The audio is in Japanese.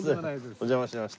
お邪魔しました。